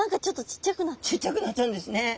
ちっちゃくなっちゃうんですね。